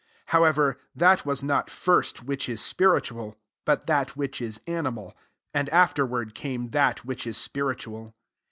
46 However, that wom not first which is spiritual, but that which is animal ; and afterward came that which is spiritual.